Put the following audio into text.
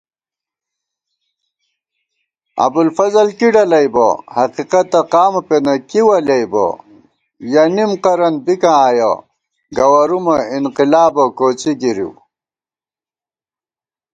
ابُوالفضل کی ڈلَئیبہ، حقیقَتہ قامہ پېنہ کی ولیَئیبہ * یَہ نِم قرَن بِکاں آیَہ، گوَرُومَہ انقِلابہ کوڅی گِرِیؤ